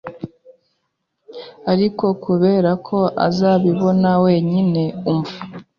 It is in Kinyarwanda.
Ariko kubera ko uzabibona wenyine umva